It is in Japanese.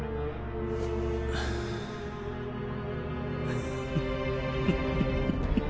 フフフフ。